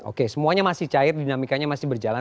oke semuanya masih cair dinamikanya masih berjalan